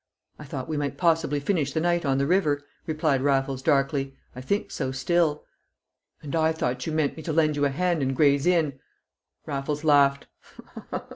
"I thought we might possibly finish the night on the river," replied Raffles, darkly. "I think so still." "And I thought you meant me to lend you a hand in Gray's Inn!" Raffles laughed.